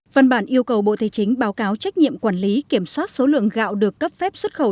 văn bản yêu cầu bộ thế chính báo cáo trách nhiệm quản lý kiểm soát số lượng gạo được cấp phép xuất khẩu